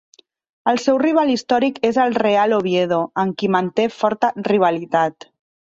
El seu rival històric és el Real Oviedo, amb qui manté forta rivalitat.